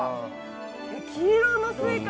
黄色のスイカ